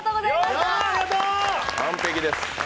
完璧です。